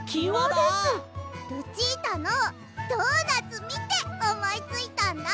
ルチータのドーナツみておもいついたんだ！